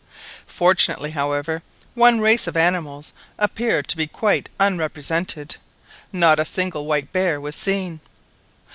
Fortunately, however, one race of animals appeared to be quite unrepresented. Not a single white bear was seen!